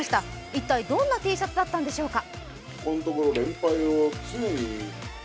一体どんなＴシャツだったのでしょうか。